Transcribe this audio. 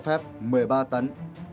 phép một mươi ba tấn